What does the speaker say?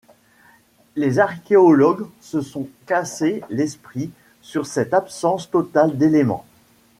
Les archéologues se sont cassé l'esprit sur cette absence totale d'éléments.